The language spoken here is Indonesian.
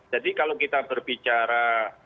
jadi kalau kita berbicara